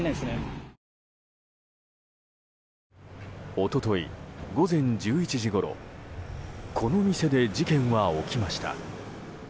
一昨日午前１１時ごろこの店で事件は起きました。